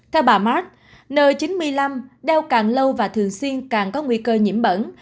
theo bà mart n chín mươi năm đeo càng lâu và thường xuyên càng có nguy cơ nhiễm bẩn